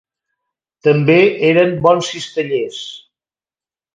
També eren bons cistellers.